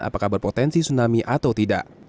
apakah berpotensi tsunami atau tidak